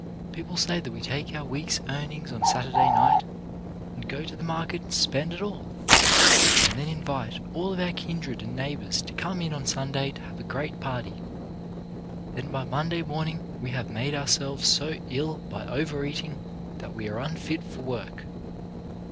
People say that we take our week's earnings on Saturday night, and go to the market and spend it all, and then invite all of our kindred and neighbours to come in on Sunday to have a great party. Then by Monday morning we have made ourselves so ill by overeating that we are unfit for work.